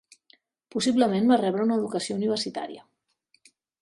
Possiblement va rebre una educació universitària.